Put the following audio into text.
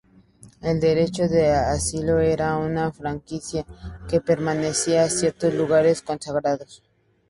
El derecho de asilo era una franquicia que pertenecía a ciertos lugares consagrados.